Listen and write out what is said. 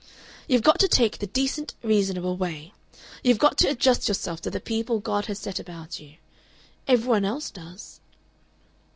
"You've got to take the decent reasonable way. You've got to adjust yourself to the people God has set about you. Every one else does."